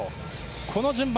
この順番。